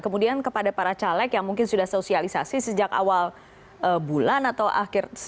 kemudian kepada para caleg yang mungkin sudah sosialisasi sejak awal bulan atau akhir